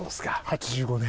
８５年。